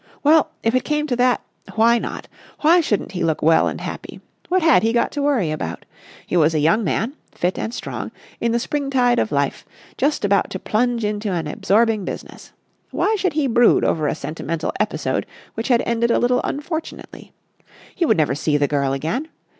Well, if it came to that, why not? Why shouldn't he look well and happy? What had he got to worry about? He was a young man, fit and strong, in the springtide of life, just about to plunge into an absorbing business. Why should he brood over a sentimental episode which had ended a little unfortunately? He would never see the girl again.